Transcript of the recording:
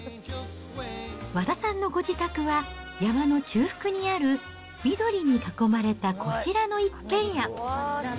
和田さんのご自宅は、山の中腹にある緑に囲まれたこちらの一軒家。